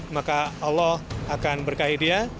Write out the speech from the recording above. maka allah akan berkahi dia